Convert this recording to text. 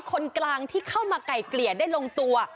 คนกลางที่เข้ามาไก่เกลี่ยได้ลงตัว